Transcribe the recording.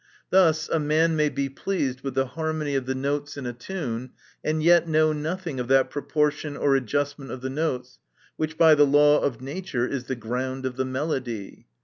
Thus, a man may be pleased with thMmmjony of the notes in a tune, and vet know nothing of that proportion oi Vol U. 35 274 THE NATURE OF VIRTUE. adjustment of the notes which by the iaw of nature is the ground of the melody.